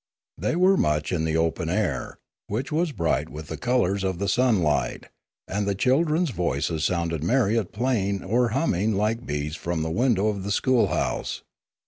They were much in the opeu air, which was bright with the colours of the sunlight; and the child ren^ voices sounded merry at play or humming like bees from the window of the schoolhouse.